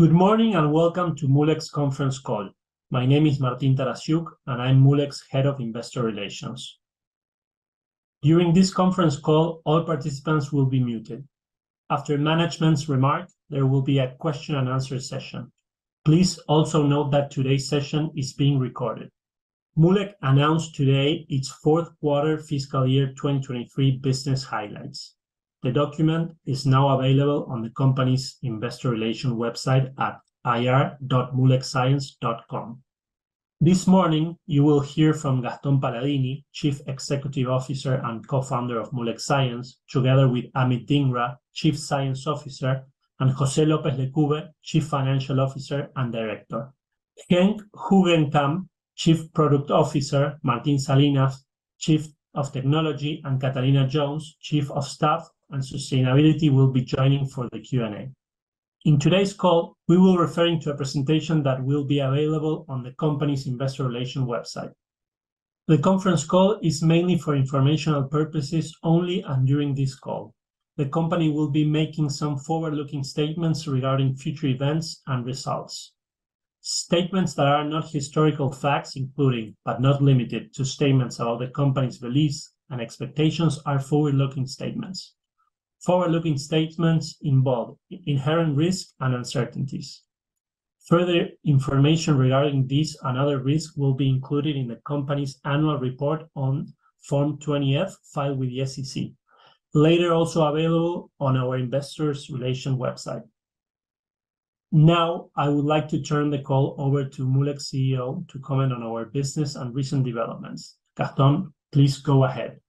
Good morning, and welcome to Moolec conference call. My name is Martin Tarasiuk, and I'm Moolec head of Investor Relations. During this conference call, all participants will be muted. After management's remark, there will be a question and answer session. Please also note that today's session is being recorded. Moolec announced today its fourth quarter fiscal year 2023 business highlights. The document is now available on the company's Investor Relation website at ir.moolecscience.com. This morning, you will hear from Gaston Paladini, Chief Executive Officer and co-founder of Moolec Science, together with Amit Dhingra, Chief Science Officer, and Jose Lopez Lecube, Chief Financial Officer and Director. Henk Hoogenkamp, Chief Product Officer, Martin Salinas, Chief of Technology, and Catalina Jones, Chief of Staff and Sustainability, will be joining for the Q&A. In today's call, we will referring to a presentation that will be available on the company's investor relation website. The conference call is mainly for informational purposes only, and during this call, the company will be making some forward-looking statements regarding future events and results. Statements that are not historical facts, including but not limited to statements about the company's beliefs and expectations, are forward-looking statements. Forward-looking statements involve inherent risk and uncertainties. Further information regarding this and other risks will be included in the company's annual report on Form 20-F filed with the SEC, later also available on our investor relations website. Now, I would like to turn the call over to Moolec CEO to comment on our business and recent developments. Gaston, please go ahead.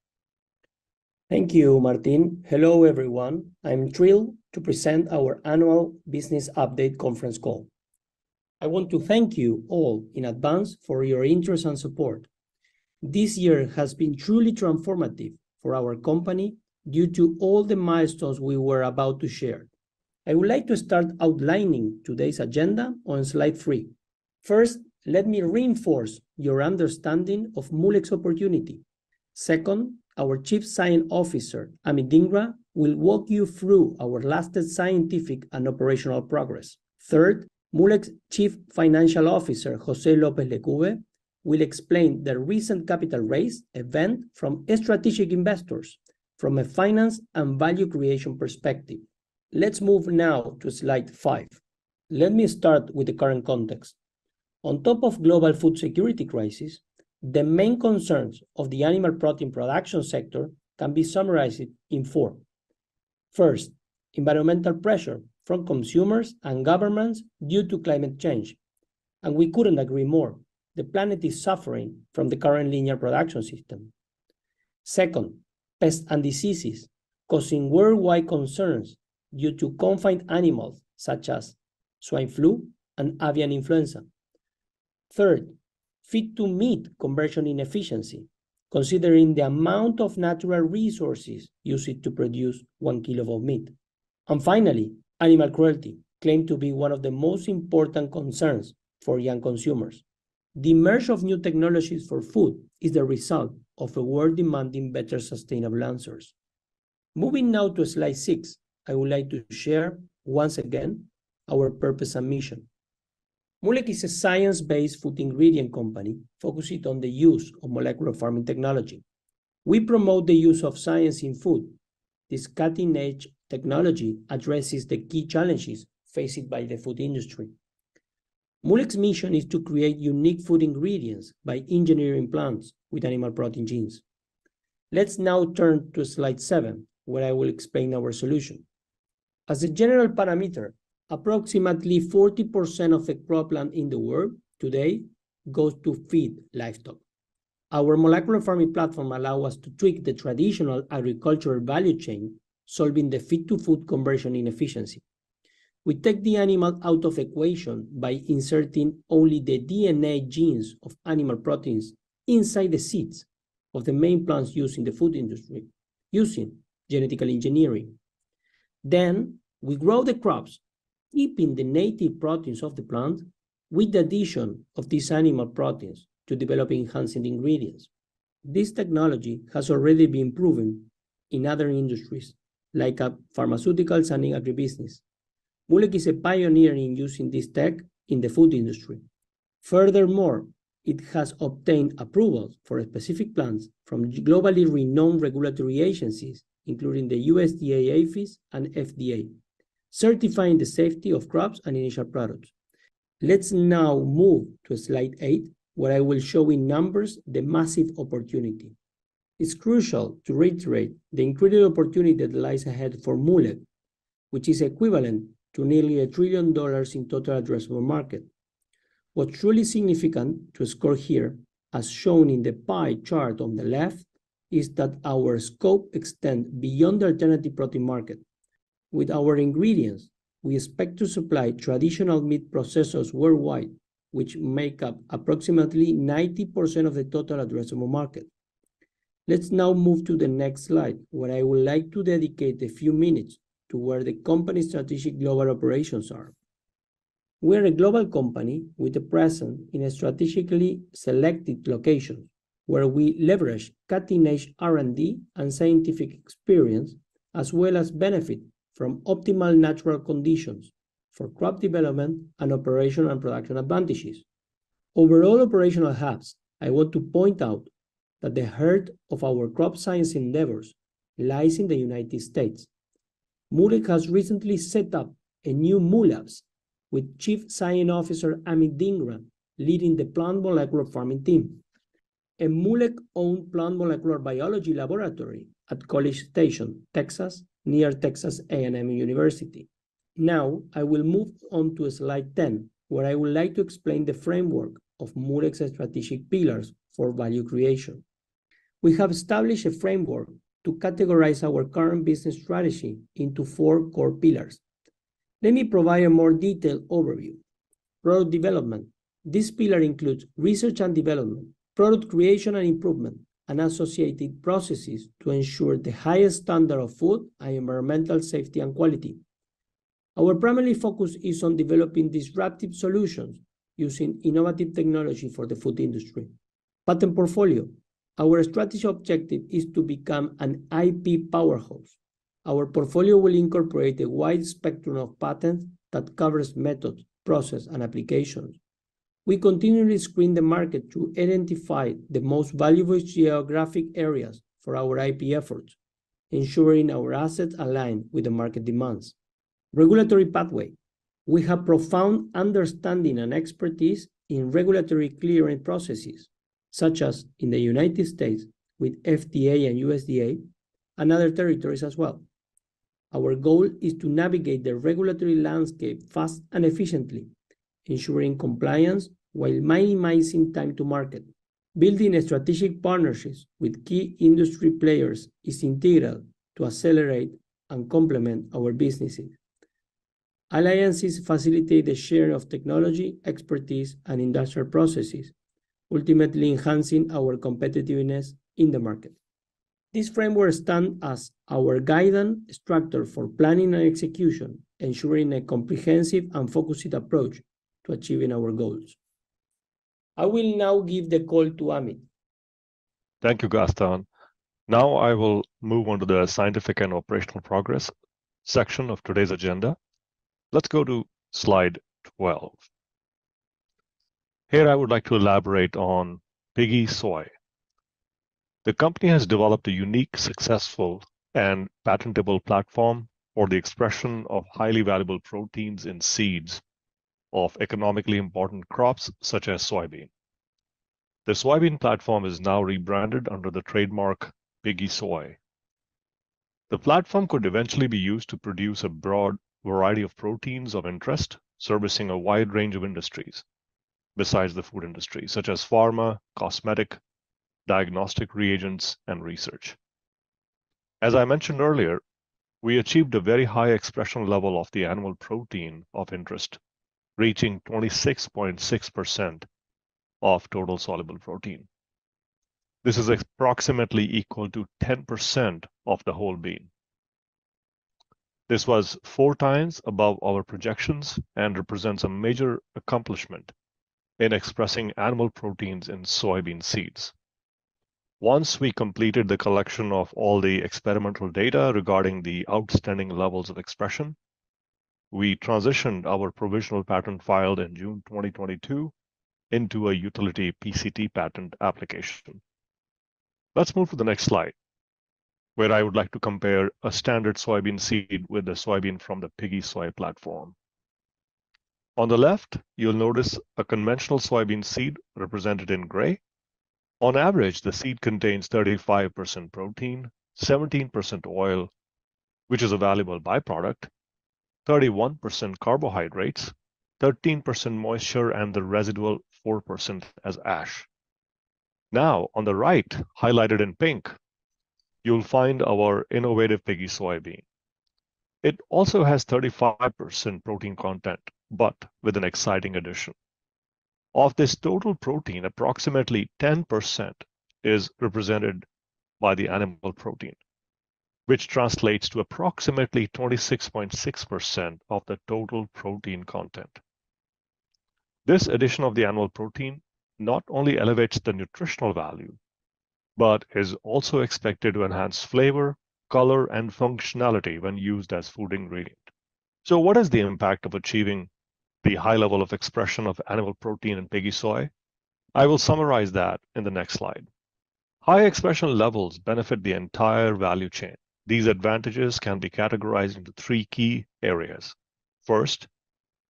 Thank you, Martin. Hello, everyone. I'm thrilled to present our annual business update conference call. I want to thank you all in advance for your interest and support. This year has been truly transformative for our company due to all the milestones we were about to share. I would like to start outlining today's agenda on slide three. First, let me reinforce your understanding of Moolec opportunity. Second, our Chief Science Officer, Amit Dhingra, will walk you through our latest scientific and operational progress. Third, Moolec Chief Financial Officer, José López Lecube, will explain the recent capital raise event from strategic investors from a finance and value creation perspective. Let's move now to slide five. Let me start with the current context. On top of global food security crisis, the main concerns of the animal protein production sector can be summarized in four. First, environmental pressure from consumers and governments due to climate change, and we couldn't agree more. The planet is suffering from the current linear production system. Second, pests and diseases causing worldwide concerns due to confined animals, such as swine flu and avian influenza. Third, feed to meat conversion inefficiency, considering the amount of natural resources used to produce one kilo of meat. And finally, animal cruelty, claimed to be one of the most important concerns for young consumers. The emergence of new technologies for food is the result of a world demanding better sustainable answers. Moving now to slide six, I would like to share once again our purpose and mission. Moolec is a science-based food ingredient company focused on the use of molecular farming technology. We promote the use of science in food. This cutting-edge technology addresses the key challenges faced by the food industry. Moolec's mission is to create unique food ingredients by engineering plants with animal protein genes. Let's now turn to slide seven, where I will explain our solution. As a general parameter, approximately 40% of the cropland in the world today goes to feed livestock. Our molecular farming platform allow us to tweak the traditional agricultural value chain, solving the feed to food conversion inefficiency. We take the animal out of equation by inserting only the DNA genes of animal proteins inside the seeds of the main plants used in the food industry, using genetic engineering. Then, we grow the crops, keeping the native proteins of the plant, with the addition of these animal proteins to develop enhancing ingredients. This technology has already been proven in other industries, like, pharmaceuticals and in agribusiness. Moolec is a pioneer in using this tech in the food industry. Furthermore, it has obtained approvals for specific plans from globally renowned regulatory agencies, including the USDA, APHIS, and FDA, certifying the safety of crops and initial products. Let's now move to slide eight, where I will show in numbers the massive opportunity. It's crucial to reiterate the incredible opportunity that lies ahead for Moolec, which is equivalent to nearly $1 trillion in total addressable market. What's truly significant to score here, as shown in the pie chart on the left, is that our scope extends beyond the alternative protein market. With our ingredients, we expect to supply traditional meat processors worldwide, which make up approximately 90% of the total addressable market. Let's now move to the next slide, where I would like to dedicate a few minutes to where the company's strategic global operations are. We're a global company with a presence in a strategically selected location where we leverage cutting-edge R&D and scientific experience, as well as benefit from optimal natural conditions for crop development and operational and production advantages. Overall operational hubs, I want to point out that the heart of our crop science endeavors lies in the United States. Moolec has recently set up a new Moolabs with Chief Science Officer Amit Dhingra leading the plant molecular farming team, a Moolec-owned plant molecular biology laboratory at College Station, Texas, near Texas A&M University. Now, I will move on to slide 10, where I would like to explain the framework of Moolec's strategic pillars for value creation. We have established a framework to categorize our current business strategy into four core pillars. Let me provide a more detailed overview. Product development. This pillar includes research and development, product creation and improvement, and associated processes to ensure the highest standard of food and environmental safety and quality. Our primary focus is on developing disruptive solutions using innovative technology for the food industry. Patent portfolio. Our strategic objective is to become an IP powerhouse. Our portfolio will incorporate a wide spectrum of patents that covers methods, process, and applications. We continually screen the market to identify the most valuable geographic areas for our IP efforts, ensuring our assets align with the market demands. Regulatory pathway. We have profound understanding and expertise in regulatory clearing processes, such as in the United States with FDA and USDA, and other territories as well. Our goal is to navigate the regulatory landscape fast and efficiently, ensuring compliance while minimizing time to market. Building strategic partnerships with key industry players is integral to accelerate and complement our businesses. Alliances facilitate the sharing of technology, expertise, and industrial processes, ultimately enhancing our competitiveness in the market. This framework stands as our guidance structure for planning and execution, ensuring a comprehensive and focused approach to achieving our goals. I will now give the call to Amit. Thank you, Gaston. Now, I will move on to the scientific and operational progress section of today's agenda. Let's go to slide 12. Here, I would like to elaborate on PiggySooy. The company has developed a unique, successful, and patentable platform for the expression of highly valuable proteins in seeds of economically important crops, such as soybean. The soybean platform is now rebranded under the trademark PiggySooy. The platform could eventually be used to produce a broad variety of proteins of interest, servicing a wide range of industries besides the food industry, such as pharma, cosmetic, diagnostic reagents, and research. As I mentioned earlier, we achieved a very high expression level of the animal protein of interest, reaching 26.6% of total soluble protein. This is approximately equal to 10% of the whole bean. This was four times above our projections and represents a major accomplishment in expressing animal proteins in soybean seeds. Once we completed the collection of all the experimental data regarding the outstanding levels of expression, we transitioned our provisional patent, filed in June 2022, into a utility PCT patent application. Let's move to the next slide, where I would like to compare a standard soybean seed with a soybean from the PiggySooy platform. On the left, you'll notice a conventional soybean seed represented in gray. On average, the seed contains 35% protein, 17% oil, which is a valuable byproduct, 31% carbohydrates, 13% moisture, and the residual 4% as ash. Now, on the right, highlighted in pink, you'll find our innovative PiggySooy soybean. It also has 35% protein content, but with an exciting addition. Of this total protein, approximately 10% is represented by the animal protein, which translates to approximately 26.6% of the total protein content. This addition of the animal protein not only elevates the nutritional value, but is also expected to enhance flavor, color, and functionality when used as food ingredient. So what is the impact of achieving the high level of expression of animal protein in PiggySooy? I will summarize that in the next slide. High expression levels benefit the entire value chain. These advantages can be categorized into three key areas. First,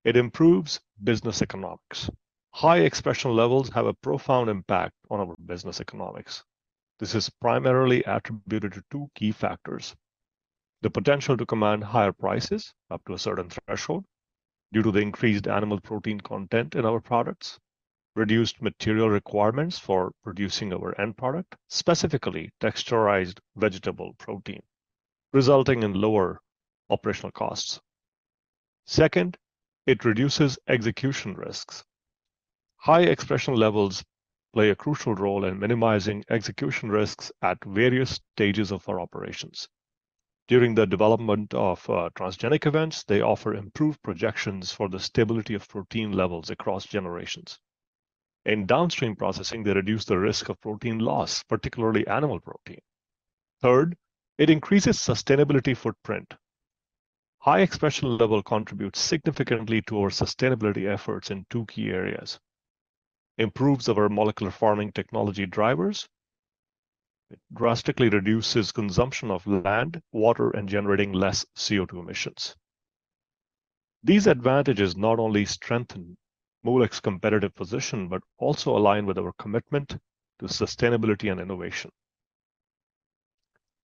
it improves business economics. High expression levels have a profound impact on our business economics. This is primarily attributed to two key factors: the potential to command higher prices, up to a certain threshold, due to the increased animal protein content in our products. Reduced material requirements for producing our end product, specifically texturized vegetable protein, resulting in lower operational costs. Second, it reduces execution risks. High expression levels play a crucial role in minimizing execution risks at various stages of our operations. During the development of transgenic events, they offer improved projections for the stability of protein levels across generations. In downstream processing, they reduce the risk of protein loss, particularly animal protein. Third, it increases sustainability footprint. High expression level contributes significantly to our sustainability efforts in two key areas: improves our molecular farming technology drivers, it drastically reduces consumption of land, water, and generating less CO₂ emissions. These advantages not only strengthen Moolec's competitive position, but also align with our commitment to sustainability and innovation.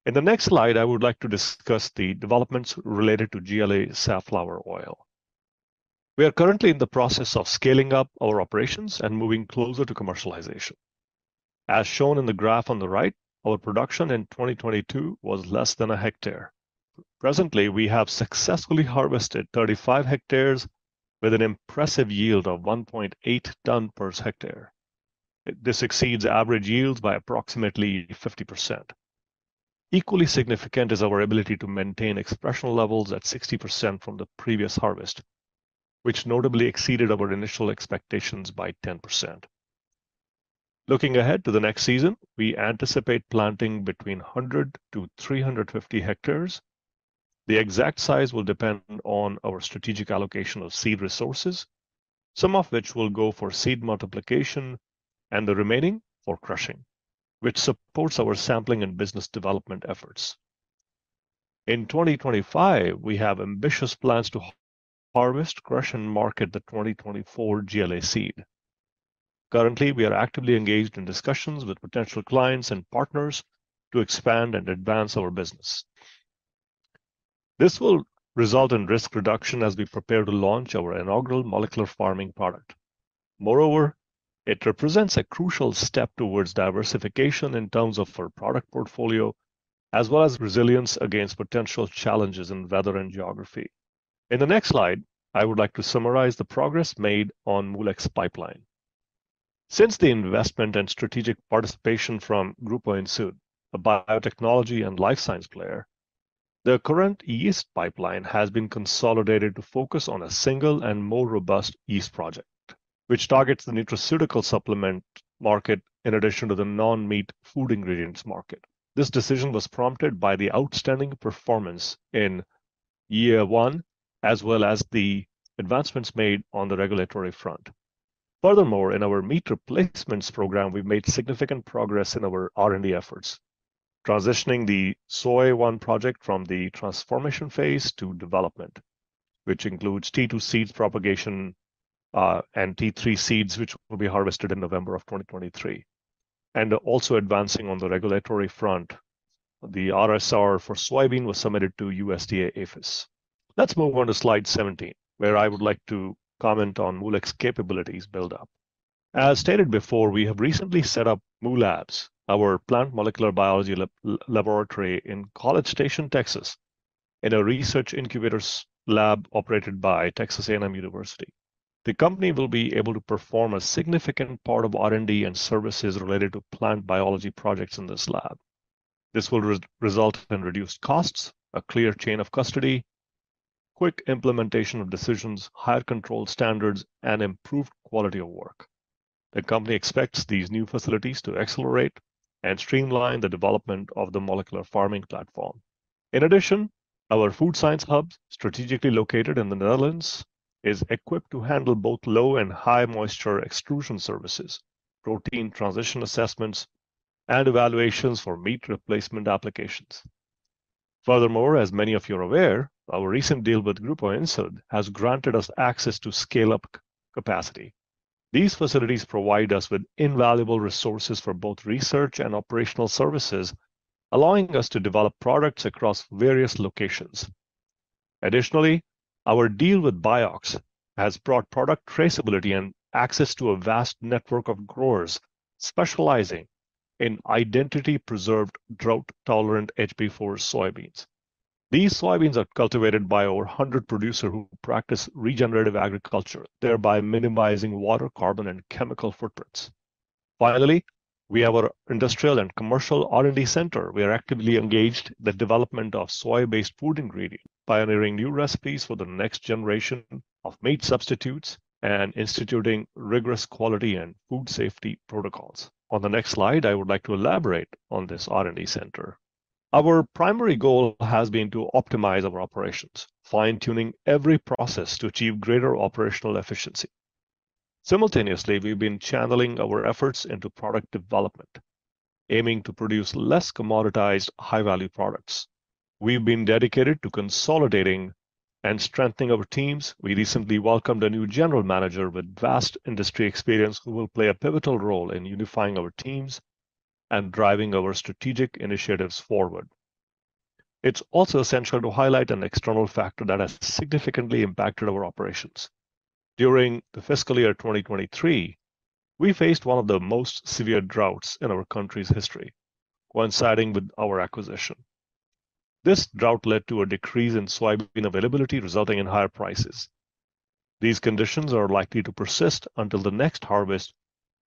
In the next slide, I would like to discuss the developments related to GLA Safflower Oil. We are currently in the process of scaling up our operations and moving closer to commercialization. As shown in the graph on the right, our production in 2022 was less than a hectare. Presently, we have successfully harvested 35 hectares with an impressive yield of 1.8 ton per hectare. This exceeds average yields by approximately 50%. Equally significant is our ability to maintain expression levels at 60% from the previous harvest, which notably exceeded our initial expectations by 10%. Looking ahead to the next season, we anticipate planting between 100-350 hectares. The exact size will depend on our strategic allocation of seed resources, some of which will go for seed multiplication, and the remaining for crushing, which supports our sampling and business development efforts. In 2025, we have ambitious plans to harvest, crush, and market the 2024 GLA seed. Currently, we are actively engaged in discussions with potential clients and partners to expand and advance our business. This will result in risk reduction as we prepare to launch our inaugural molecular farming product. Moreover, it represents a crucial step towards diversification in terms of our product portfolio, as well as resilience against potential challenges in weather and geography. In the next slide, I would like to summarize the progress made on Moolec pipeline. Since the investment and strategic participation from Grupo Insud, a biotechnology and life science player, the current yeast pipeline has been consolidated to focus on a single and more robust yeast project, which targets the nutraceutical supplement market, in addition to the non-meat food ingredients market. This decision was prompted by the outstanding performance in year one, as well as the advancements made on the regulatory front. Furthermore, in our meat replacements program, we've made significant progress in our R&D efforts, transitioning the Soy1 project from the transformation phase to development, which includes T2 seeds propagation, and T3 seeds, which will be harvested in November of 2023, and also advancing on the regulatory front. The RSR for soybean was submitted to USDA-APHIS. Let's move on to slide 17, where I would like to comment on Moolec capabilities buildup. As stated before, we have recently set up Moolabs, our plant molecular biology lab, laboratory in College Station, Texas, in a research incubator lab operated by Texas A&M University. The company will be able to perform a significant part of R&D and services related to plant biology projects in this lab. This will result in reduced costs, a clear chain of custody, quick implementation of decisions, higher control standards, and improved quality of work. The company expects these new facilities to accelerate and streamline the development of the molecular farming platform. In addition, our food science hub, strategically located in the Netherlands, is equipped to handle both low and high moisture extrusion services, protein transition assessments, and evaluations for meat replacement applications. Furthermore, as many of you are aware, our recent deal with Grupo Insud has granted us access to scale-up capacity. These facilities provide us with invaluable resources for both research and operational services, allowing us to develop products across various locations. Additionally, our deal with Bioceres has brought product traceability and access to a vast network of growers specializing in identity-preserved, drought-tolerant HB4 soybeans. These soybeans are cultivated by over 100 producers who practice regenerative agriculture, thereby minimizing water, carbon, and chemical footprints. Finally, we have our industrial and commercial R&D center. We are actively engaged in the development of soy-based food ingredients, pioneering new recipes for the next generation of meat substitutes, and instituting rigorous quality and food safety protocols. On the next slide, I would like to elaborate on this R&D center. Our primary goal has been to optimize our operations, fine-tuning every process to achieve greater operational efficiency. Simultaneously, we've been channeling our efforts into product development, aiming to produce less commoditized, high-value products. We've been dedicated to consolidating and strengthening our teams. We recently welcomed a new general manager with vast industry experience, who will play a pivotal role in unifying our teams and driving our strategic initiatives forward. It's also essential to highlight an external factor that has significantly impacted our operations. During the fiscal year 2023, we faced one of the most severe droughts in our country's history, coinciding with our acquisition. This drought led to a decrease in soybean availability, resulting in higher prices. These conditions are likely to persist until the next harvest,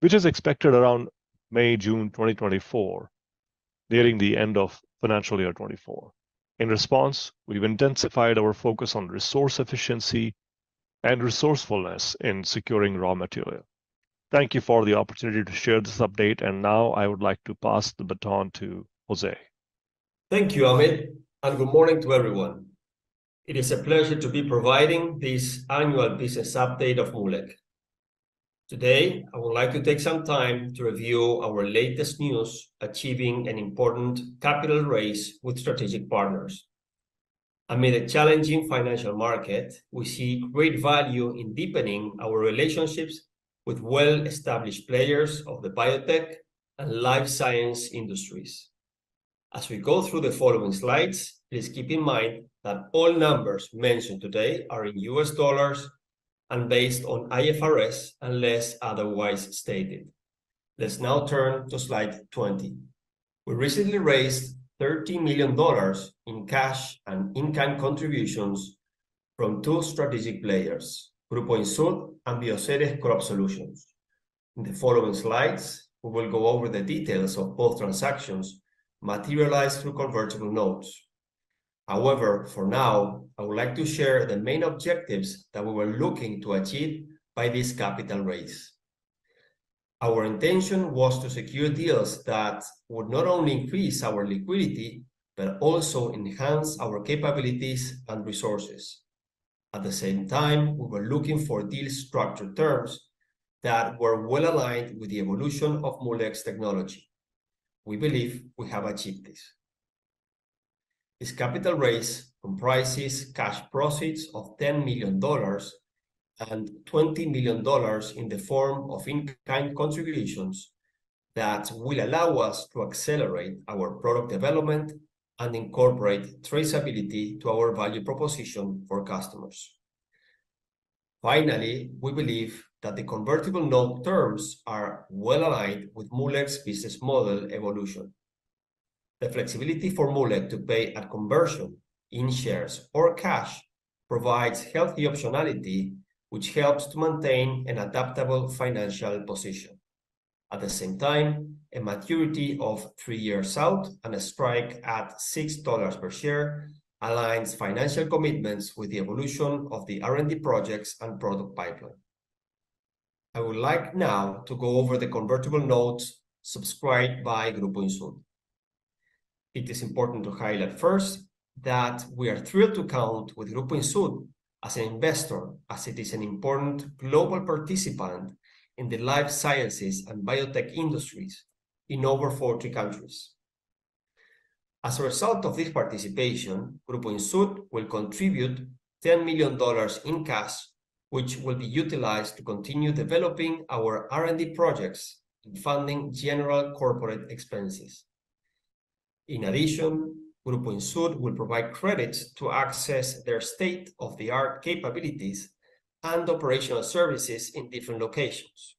which is expected around May, June 2024, nearing the end of financial year 2024. In response, we've intensified our focus on resource efficiency and resourcefulness in securing raw material. Thank you for the opportunity to share this update, and now I would like to pass the baton to Jose. Thank you, Amit, and good morning to everyone. It is a pleasure to be providing this annual business update of Moolec Science. Today, I would like to take some time to review our latest news, achieving an important capital raise with strategic partners. Amid a challenging financial market, we see great value in deepening our relationships with well-established players of the biotech and life science industries. As we go through the following slides, please keep in mind that all numbers mentioned today are in US dollars and based on IFRS, unless otherwise stated. Let's now turn to slide 20. We recently raised $30 million in cash and in-kind contributions from two strategic players, Grupo Insud and Bioceres Crop Solutions. In the following slides, we will go over the details of both transactions materialized through convertible notes. However, for now, I would like to share the main objectives that we were looking to achieve by this capital raise. Our intention was to secure deals that would not only increase our liquidity, but also enhance our capabilities and resources. At the same time, we were looking for deal structure terms that were well aligned with the evolution of Moolec Science's technology. We believe we have achieved this. This capital raise comprises cash proceeds of $10 million and $20 million in the form of in-kind contributions that will allow us to accelerate our product development and incorporate traceability to our value proposition for customers. Finally, we believe that the convertible note terms are well aligned with Moolec Science's business model evolution. The flexibility for Moolec Science to pay at conversion in shares or cash provides healthy optionality, which helps to maintain an adaptable financial position. At the same time, a maturity of 3 years out and a strike at $6 per share aligns financial commitments with the evolution of the R&D projects and product pipeline. I would like now to go over the convertible notes subscribed by Grupo Insud. It is important to highlight first, that we are thrilled to count with Grupo Insud as an investor, as it is an important global participant in the life sciences and biotech industries in over 40 countries. As a result of this participation, Grupo Insud will contribute $10 million in cash, which will be utilized to continue developing our R&D projects and funding general corporate expenses. In addition, Grupo Insud will provide credits to access their state-of-the-art capabilities and operational services in different locations.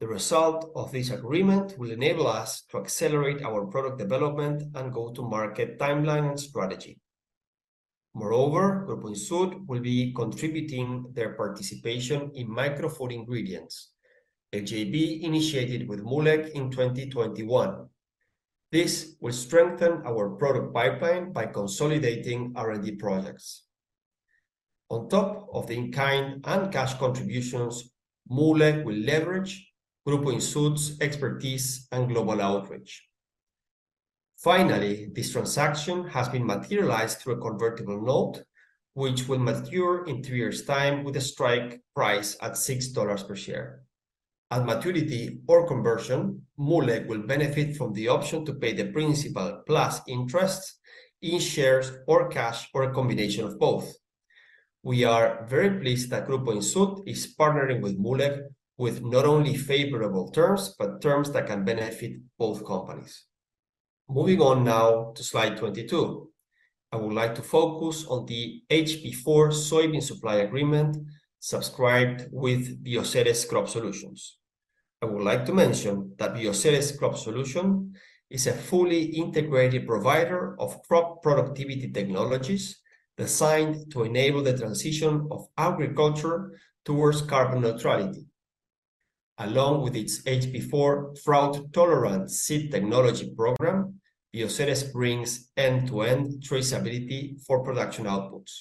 The result of this agreement will enable us to accelerate our product development and go-to-market timeline and strategy. Moreover, Grupo Insud will be contributing their participation in Micro Food Ingredients, a JV initiated with Moolec in 2021. This will strengthen our product pipeline by consolidating R&D projects. On top of the in-kind and cash contributions, Moolec will leverage Grupo Insud's expertise and global outreach. Finally, this transaction has been materialized through a convertible note, which will mature in three years' time with a strike price at $6 per share. At maturity or conversion, Moolec will benefit from the option to pay the principal plus interest in shares or cash, or a combination of both. We are very pleased that Grupo Insud is partnering with Moolec with not only favorable terms, but terms that can benefit both companies. Moving on now to slide 22, I would like to focus on the HB4 soybean supply agreement subscribed with Bioceres Crop Solutions. I would like to mention that Bioceres Crop Solutions is a fully integrated provider of crop productivity technologies designed to enable the transition of agriculture towards carbon neutrality. Along with its HB4 drought-tolerant seed technology program, Bioceres brings end-to-end traceability for production outputs.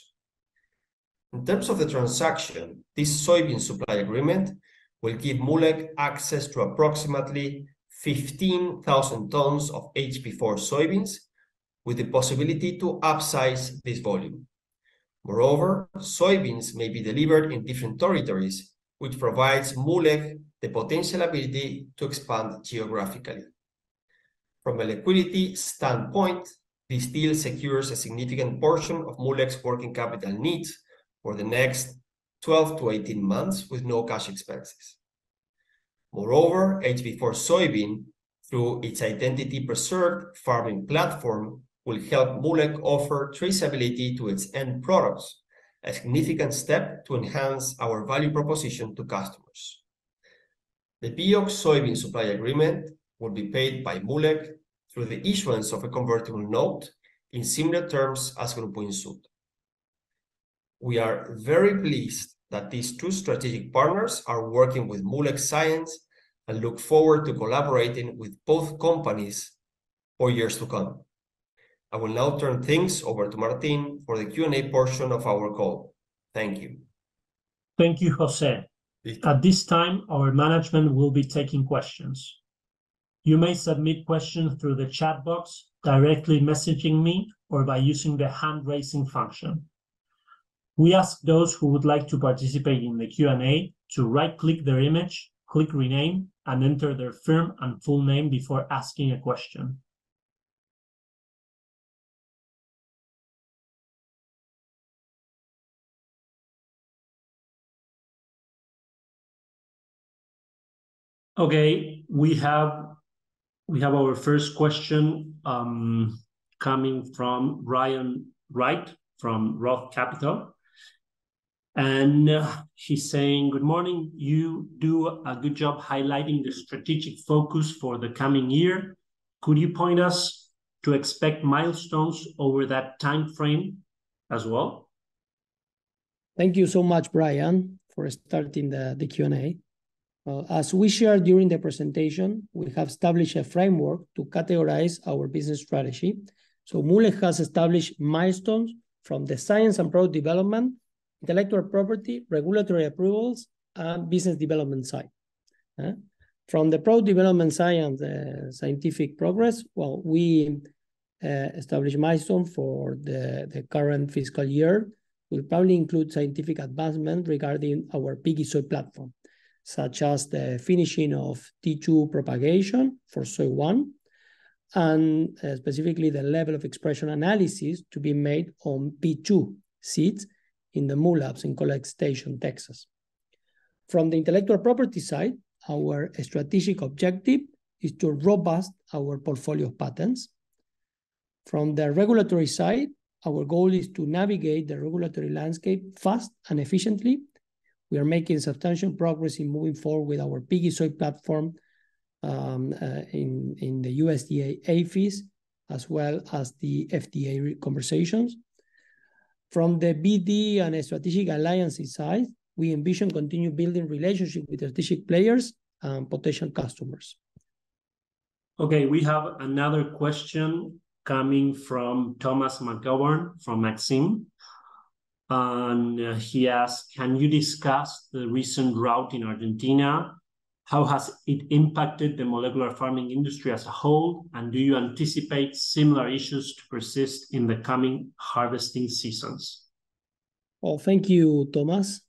In terms of the transaction, this soybean supply agreement will give Moolec access to approximately 15,000 tons of HB4 soybeans, with the possibility to upsize this volume. Moreover, soybeans may be delivered in different territories, which provides Moolec the potential ability to expand geographically. From a liquidity standpoint, this deal secures a significant portion of Moolec's working capital needs for the next 12-18 months with no cash expenses. Moreover, HB4 soybean, through its identity preserved farming platform, will help Moolec offer traceability to its end products, a significant step to enhance our value proposition to customers. The PS soybean supply agreement will be paid by Moolec through the issuance of a convertible note in similar terms as Grupo Insud. We are very pleased that these two strategic partners are working with Moolec Science, and look forward to collaborating with both companies for years to come. I will now turn things over to Martin for the Q&A portion of our call. Thank you. Thank you, Jose. At this time, our management will be taking questions. You may submit questions through the chat box, directly messaging me, or by using the hand-raising function. We ask those who would like to participate in the Q&A to right-click their image, click Rename, and enter their firm and full name before asking a question. Okay, we have our first question coming from Brian Wright, from Roth Capital, and he's saying, "Good morning. You do a good job highlighting the strategic focus for the coming year. Could you point us to expect milestones over that timeframe as well? Thank you so much, Ryan, for starting the Q&A. Well, as we shared during the presentation, we have established a framework to categorize our business strategy. So Moolec has established milestones from the science and product development, intellectual property, regulatory approvals, and business development side. From the product development science and scientific progress, well, we established a milestone for the current fiscal year, will probably include scientific advancement regarding our PiggySooy platform, such as the finishing of T2 propagation for Soy1, and specifically, the level of expression analysis to be made on T2 seeds in the Moolabs in College Station, Texas. From the intellectual property side, our strategic objective is to robust our portfolio of patents. From the regulatory side, our goal is to navigate the regulatory landscape fast and efficiently. We are making substantial progress in moving forward with our PiggySooy platform, in the USDA-APHIS, as well as the FDA conversations. From the BD and strategic alliances side, we envision continue building relationship with strategic players and potential customers. Okay, we have another question coming from Thomas McGovern, from Maxim, and he asked, "Can you discuss the recent drought in Argentina? How has it impacted the molecular farming industry as a whole, and do you anticipate similar issues to persist in the coming harvesting seasons? Well, thank you, Thomas.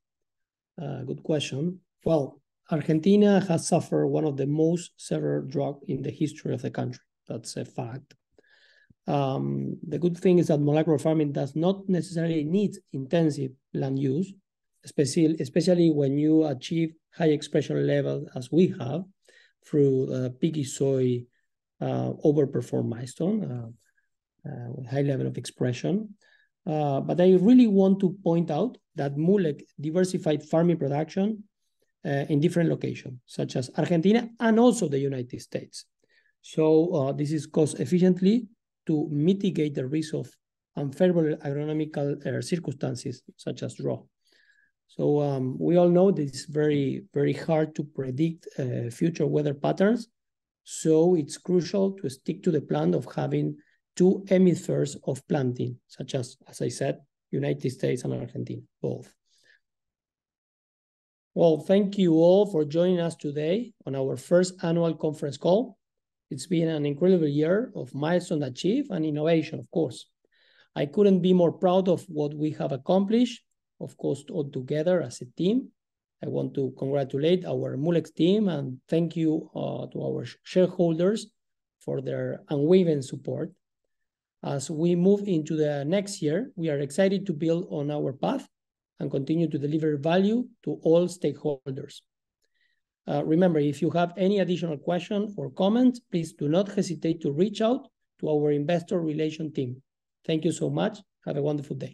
Good question. Well, Argentina has suffered one of the most severe drought in the history of the country. That's a fact. The good thing is that molecular farming does not necessarily need intensive land use, especially when you achieve high expression level, as we have, through PiggySooy, overperform milestone, high level of expression. But I really want to point out that Moolec diversified farming production in different locations, such as Argentina and also the United States. So, this is cost efficiently to mitigate the risk of unfavorable agronomical circumstances such as drought. So, we all know that it's very, very hard to predict future weather patterns, so it's crucial to stick to the plan of having two hemispheres of planting, such as, as I said, United States and Argentina, both. Well, thank you all for joining us today on our first annual conference call. It's been an incredible year of milestone achieved and innovation, of course. I couldn't be more proud of what we have accomplished, of course, all together as a team. I want to congratulate our Moolec team, and thank you to our shareholders for their unwavering support. As we move into the next year, we are excited to build on our path and continue to deliver value to all stakeholders. Remember, if you have any additional question or comments, please do not hesitate to reach out to our Investor Relations team. Thank you so much. Have a wonderful day.